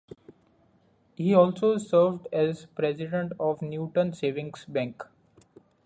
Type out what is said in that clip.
He also served as president of Newton Savings Bank.